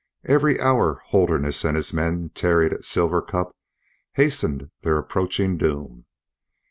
Every hour Holderness and his men tarried at Silver Cup hastened their approaching doom.